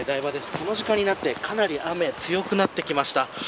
この時間になってかなり雨が強くなってきました。